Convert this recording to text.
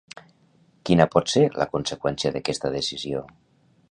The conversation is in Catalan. Quina pot ser la conseqüència d'aquesta decisió?